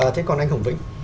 thế còn anh hồng vĩnh